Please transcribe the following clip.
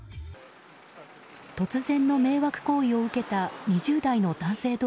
突然の迷惑行為を受けた２０代の男性